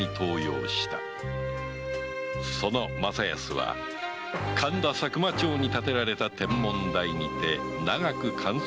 その正休は神田佐久間町に建てられた天文台にて永く観測に従事した